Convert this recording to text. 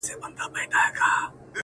له وختونو مي تر زړه ویني څڅیږي!